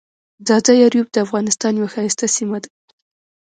ځاځي اریوب دافغانستان یوه ښایسته سیمه ده.